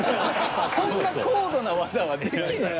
そんな高度な技はできない。